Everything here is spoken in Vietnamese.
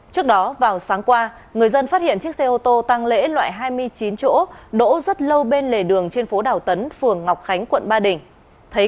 trước đó vào sáng qua người dân phát hiện chiếc xe ô tô tăng lễ loại hai mươi chín chỗ đỗ rất lâu bên lề đường trên phố đào tấn phường ngọc khánh quận ba đình